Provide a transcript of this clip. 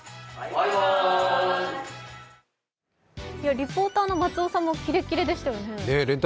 リポーターの松尾さんもキレキレでしたよね。